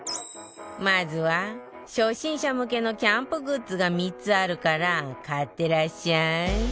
まずは、初心者向けのキャンプグッズが３つあるから買ってらっしゃい！